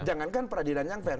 jangankan peradilan yang fair